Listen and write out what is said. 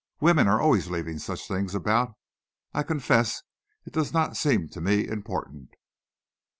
Women are always leaving such things about. I confess it does not seem to me important."